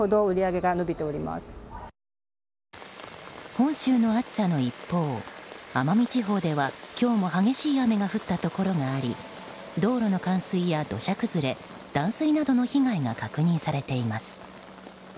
本州の暑さの一方奄美地方では今日も激しい雨が降ったところがあり道路の冠水や土砂崩れ断水などの被害が確認されています。